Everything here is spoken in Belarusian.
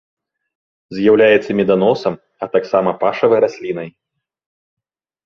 З'яўляецца меданосам, а таксама пашавай раслінай.